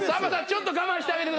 ちょっと我慢してあげてください。